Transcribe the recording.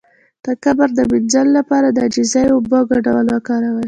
د کبر د مینځلو لپاره د عاجزۍ او اوبو ګډول وکاروئ